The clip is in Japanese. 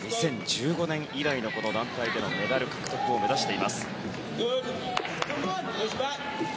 ２０１５年以来の団体でのメダル獲得を目指しています。